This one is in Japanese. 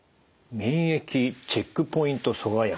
免疫チェックポイント阻害薬